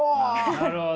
なるほど。